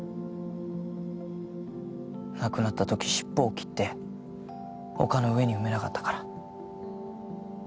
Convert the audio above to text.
亡くなった時シッポを切って丘の上に埋めなかったから。